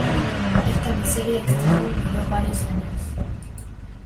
Esta miseria extrema duró varios años.